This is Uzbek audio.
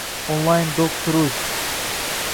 OnlineDoctorUz